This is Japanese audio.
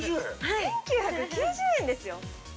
◆１９９０円ですよ。